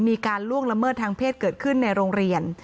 ล่วงละเมิดทางเพศเกิดขึ้นในโรงเรียน